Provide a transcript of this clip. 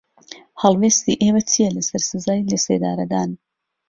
هەڵوێستی ئێوە چییە لەسەر سزای لەسێدارەدان؟